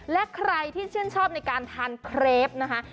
และใครที่ชื่นชอบในการทานเครปนะคะ